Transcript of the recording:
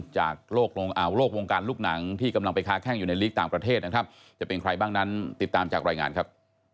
จากโรควงการลูกหนังที่กำลังไปค้าแข้งอยู่ในลีกต่างประเทศนะครับ